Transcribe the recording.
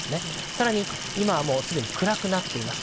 更に今はもう、すでに暗くなっています。